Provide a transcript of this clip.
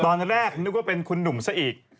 ตอนแรกนึกว่าเป็นคุณหนุ่มซะอีก